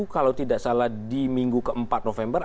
kalau tidak salah di minggu ke empat november